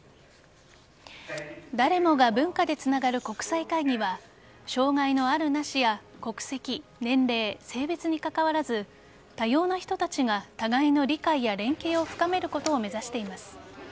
だれもが文化でつながる国際会議は障害のある・なしや国籍、年齢、性別にかかわらず多様な人たちが互いの理解や連携を深めることを目指しています。